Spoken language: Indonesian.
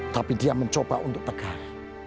tapi dia mencoba untuk tegar